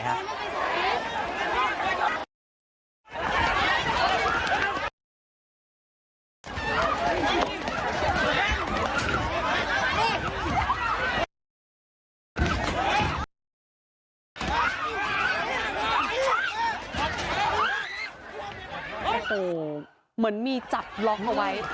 โอ้โหเหมือนมีจับล็อกเอาไว้